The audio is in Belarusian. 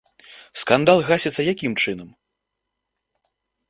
Скандал гасіцца якім чынам?